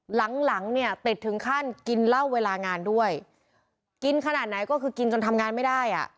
หลังหลังเนี่ยติดถึงขั้นกินเหล้าเวลางานด้วยกินขนาดไหนก็คือกินจนทำงานไม่ได้อ่ะ